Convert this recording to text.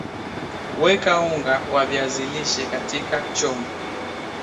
weka unga wa viazi lishe katika chombo